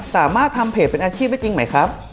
สามารถทำเพจเป็นอาชีพได้จริงไหมครับ